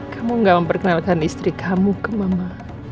kamu gak memperkenalkan istri kamu ke mama